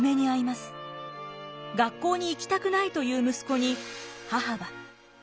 学校に行きたくないという息子に母は。